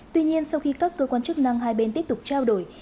tuy nhiên sau khi các cơ quan chức năng hai bên tiếp tục trao đổi